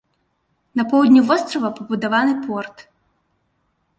На поўдні вострава пабудаваны порт.